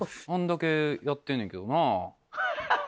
あんだけやってんねんけどなぁ。